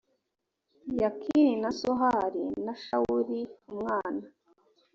yakini na sohari na shawuli umwana